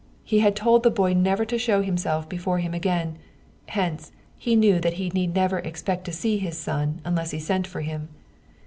He had told the boy never to show himself before him again ; hence, he knew that he need never expect to see his son unless he sent for him.